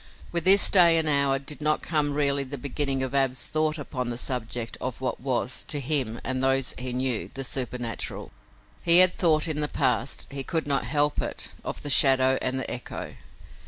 With this day and hour did not come really the beginning of Ab's thought upon the subject of what was, to him and those he knew, the supernatural. He had thought in the past he could not help it of the shadow and the echo.